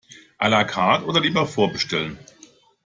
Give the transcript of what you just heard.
A la carte oder lieber vorbestellen?